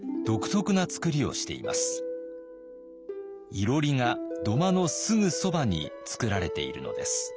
いろりが土間のすぐそばにつくられているのです。